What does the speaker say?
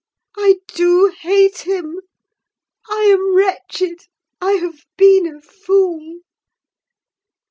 I do hate him—I am wretched—I have been a fool!